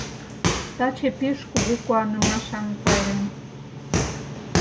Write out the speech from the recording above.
— Таче пеш кугу куанымашан пайрем.